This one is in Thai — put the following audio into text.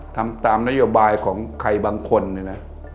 ทำตามนโยบายของใครบางคนเนี่ยนะ